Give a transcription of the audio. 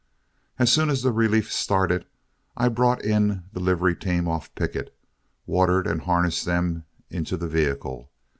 As soon as the relief started, I brought in the livery team off picket, watered, and harnessed them into the vehicle.